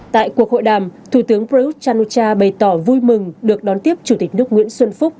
tại cuộc hội đàm thủ tướng prayuth chan o cha bày tỏ vui mừng được đón tiếp chủ tịch nước nguyễn xuân phúc